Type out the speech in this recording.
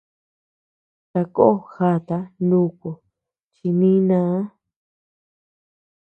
Takó jata nùùku chi nínaa.